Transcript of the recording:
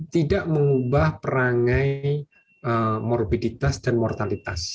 tidak mengubah perangai morbiditas dan mortalitas